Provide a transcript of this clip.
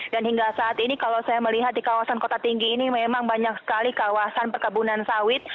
dan hingga saat ini kalau saya melihat di kawasan kota tinggi ini memang banyak sekali kawasan perkebunan sawit